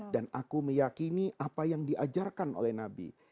dan aku meyakini apa yang diajarkan oleh nabi